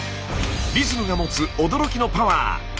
リズムが持つ驚きのパワー。